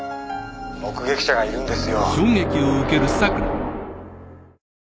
目撃者がいるんですよ。